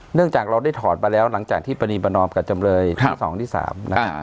จากเราได้ถอดมาแล้วหลังจากที่ปณีประนอมกับจำเลยที่๒ที่๓นะครับ